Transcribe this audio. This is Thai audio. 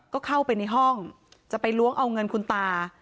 ก็เข้าไปในห้องจะไปล้วงเอาเงินคุณตา